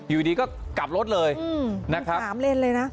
อยู่ดีก็กลับรถเลยนะครับ๓เลนเลยนะ